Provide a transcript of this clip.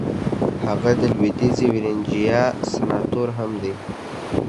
هغه د لويديځې ويرجينيا سناتور هم دی.